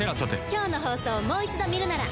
今日の放送をもう一度見るなら。